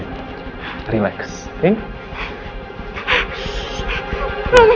tenang saja gaji